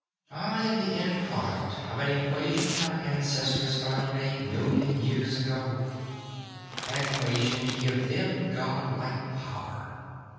I am the end product of an equation our ancestors found a million years ago. An equation to give them god like power.